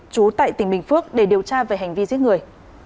trú tại tỉnh bình phước để điều tra về hành vi giết người